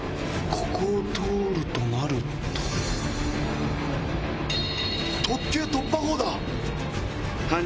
ここを通るとなると。